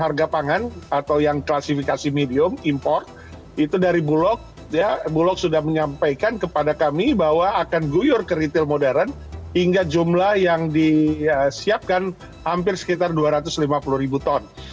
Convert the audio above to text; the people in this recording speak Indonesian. harga pangan atau yang klasifikasi medium import itu dari bulog bulog sudah menyampaikan kepada kami bahwa akan guyur ke retail modern hingga jumlah yang disiapkan hampir sekitar dua ratus lima puluh ribu ton